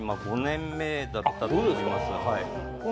今５年目だったと思います。